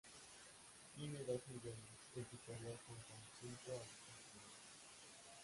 Tiene dos niveles, el superior fue un conjunto habitacional.